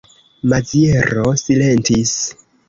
Maziero silentis.